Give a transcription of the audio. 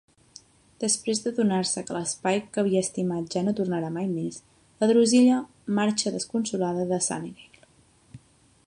Després d'adonar-se que l'Spike que havia estimat ja no tornarà mai més, la Drusilla marxa desconsolada de Sunnydale.